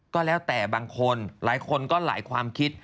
ก็แล้วแต่บางคนหลายคนก็หลายความคิด